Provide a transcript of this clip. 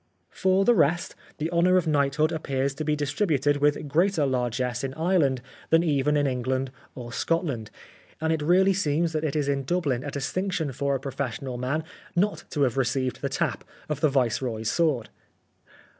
For the rest, the honour of knighthood ap pears to be distributed with greater largesse in Ireland than even in England or Scotland, and it really seems that it is in Dublin a distinction for a professional man not to have received the tap of the viceroy's sword.